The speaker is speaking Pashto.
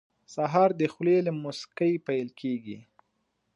سهار د خولې له موسکۍ پیل کېږي.